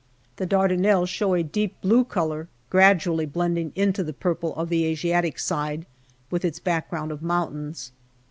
The Dardanelles show a deep blue colour, gradually blending into the purple of the Asiatic side, with its background of mountains.